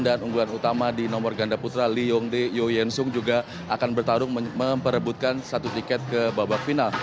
dan unggulan utama di nomor ganda putra li yongde you yensung juga akan bertarung memperebutkan satu tiket ke babak final